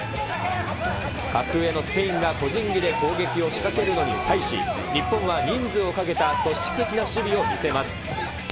格上のスペインが個人技で攻撃を仕掛けるのに対し、日本は人数をかけた組織的な守備を見せます。